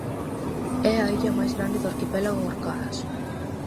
É a illa máis grande do arquipélago Orcadas.